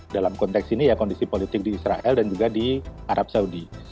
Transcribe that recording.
dalam konteks ini ya kondisi politik di israel dan juga di arab saudi